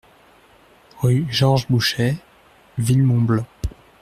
Rue Georges Bouchet, Villemomble